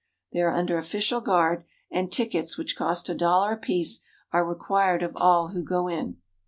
They are under official guard, and tickets which cost a dollar apiece are required of all who go in.